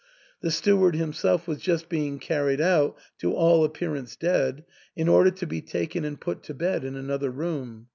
The steward himself was just being carried out, to all appearance dead, in order to be taken and put to bed in another room.